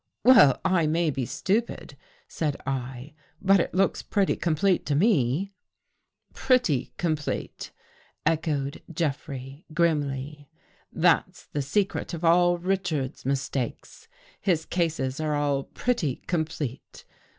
" Well, I may be stupid," said I, " but it looks pretty complete to me." "' Pretty complete,' " echoed Jeffrey grimly. " That's the secret of all Richards's mistakes. His cases are all ' pretty complete.